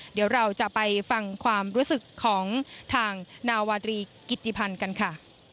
เดี๋ยวเราจะไปฟังความรู้สึกของทางนาวาตรีกิติพันธ์กันค่ะ